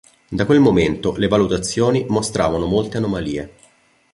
Da quel momento le valutazioni mostravano molte anomalie.